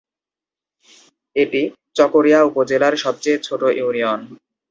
এটি চকরিয়া উপজেলার সবচেয়ে ছোট ইউনিয়ন।